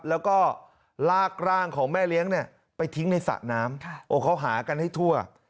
แล้วก็ลากร่างของแม่เลี้ยงเนี่ยไปทิ้งในสระน้ำโอ้เขาหากันให้ทั่ว